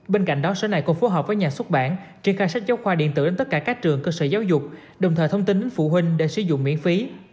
bên cạnh đó sở này cũng phối hợp với nhà xuất bản triển khai sách giáo khoa điện tử đến tất cả các trường cơ sở giáo dục đồng thời thông tin đến phụ huynh để sử dụng miễn phí